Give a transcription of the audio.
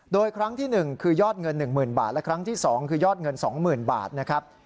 โดยครั้งที่๑คือยอดเงิน๑๐๐๐บาทและครั้งที่๒คือยอดเงิน๒๐๐๐บาทนะครับ